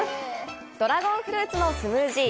ドラゴンフルーツのスムージー！